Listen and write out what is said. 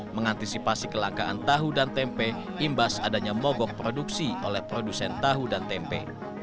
mengantisipasi kelangkaan tahu dan tempe imbas adanya mogok produksi oleh produsen tahu dan tempe